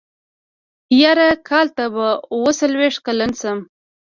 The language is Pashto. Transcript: يره کال ته به اوه څلوېښت کلن شم.